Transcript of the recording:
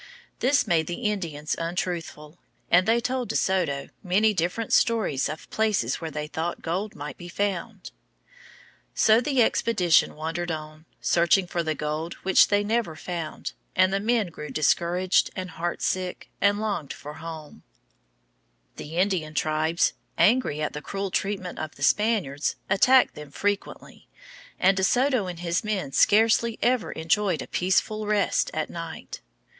This made the Indians untruthful, and they told De Soto many different stories of places where they thought gold might be found. So the expedition wandered on, searching for the gold which they never found; and the men grew discouraged and heartsick, and longed for home. [Illustration: De Soto Marching through the Forest.] The Indian tribes, angry at the cruel treatment of the Spaniards, attacked them frequently, and De Soto and his men scarcely ever enjoyed a peaceful rest at night.